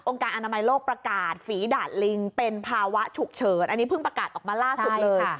การอนามัยโลกประกาศฝีดาดลิงเป็นภาวะฉุกเฉินอันนี้เพิ่งประกาศออกมาล่าสุดเลย